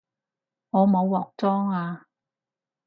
我冇鑊裝吖